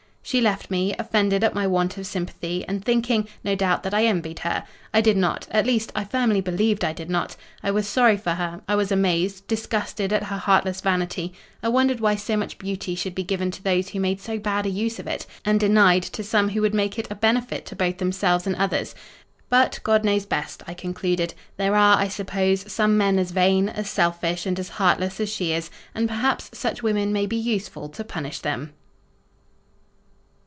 She left me, offended at my want of sympathy, and thinking, no doubt, that I envied her. I did not—at least, I firmly believed I did not. I was sorry for her; I was amazed, disgusted at her heartless vanity; I wondered why so much beauty should be given to those who made so bad a use of it, and denied to some who would make it a benefit to both themselves and others. But, God knows best, I concluded. There are, I suppose, some men as vain, as selfish, and as heartless as she is, and, perhaps, such women may be useful to punish them.